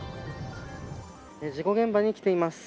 事故現場に来ています。